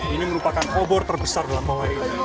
ini merupakan obor terbesar dalam molai ini